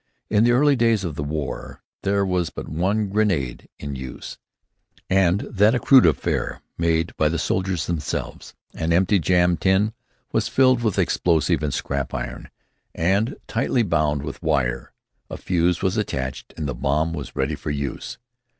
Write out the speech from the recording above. In the early days of the war there was but one grenade in use, and that a crude affair made by the soldiers themselves. An empty jam tin was filled with explosive and scrap iron, and tightly bound with wire. A fuse was attached and the bomb was ready for use.